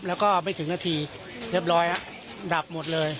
แล้วก็ไม่ถึงนาทีเรียบร้อยฮะดับหมดเลย